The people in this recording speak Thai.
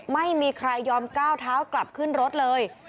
ไม่ยอมก้าวเท้ากลับขึ้นรถเลย